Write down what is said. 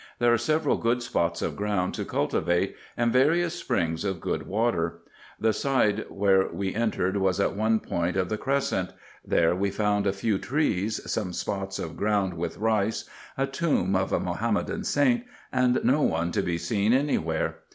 There are several good spots of ground to cultivate, and various springs of good water. The side where we entered was at one point of the crescent ; there we found a few trees, some spots of ground with rice, a tomb of a Mahomedan saint, and no one to be seen any where.